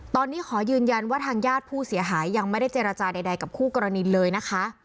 ตอนนี้ขอยืนยันว่าทางญาติผู้เสียหายยังไม่ได้เจรจาใดกับคู่กรณีเลยนะคะ